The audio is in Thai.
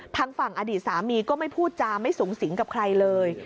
ทางฝั่งอดีตสามีก็ไม่พูดจาไม่สูงสิงกับใครเลย